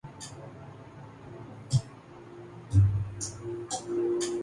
کچھ ادراک ہوتا تو ٹال مٹول سے کام نہ لیتے۔